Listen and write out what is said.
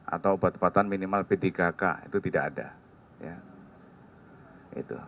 atau obat obatan minimal p tiga k itu tidak ada